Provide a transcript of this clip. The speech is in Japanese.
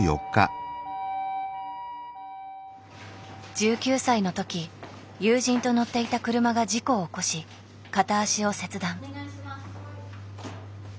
１９歳の時友人と乗っていた車が事故を起こし片足を切断。